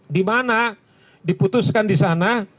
dimana diputuskan di sana